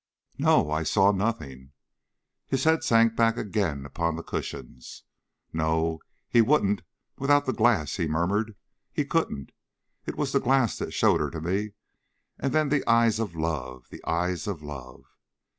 "No, I saw nothing." His head sank back again upon the cushions. "No, he wouldn't without the glass," he murmured. "He couldn't. It was the glass that showed her to me, and then the eyes of love the eyes of love.